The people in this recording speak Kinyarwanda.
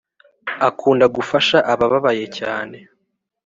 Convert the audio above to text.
Akunda gufasha ababaye cyane